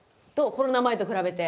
コロナ前と比べて。